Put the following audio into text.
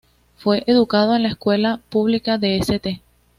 Fue educado en la escuela pública de St.